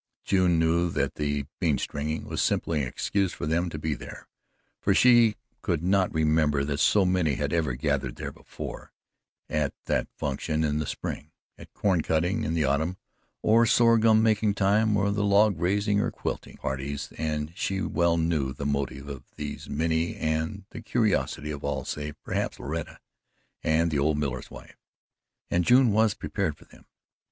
June knew that the "bean stringing" was simply an excuse for them to be there, for she could not remember that so many had ever gathered there before at that function in the spring, at corn cutting in the autumn, or sorghum making time or at log raisings or quilting parties, and she well knew the motive of these many and the curiosity of all save, perhaps, Loretta and the old miller's wife: and June was prepared for them.